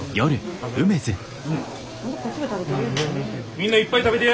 みんないっぱい食べてや！